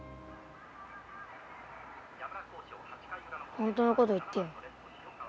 本当のこと言ってよ。